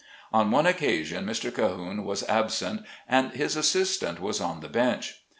On one occasion, Mr. Cahoone was absent and his assistant was on the bench.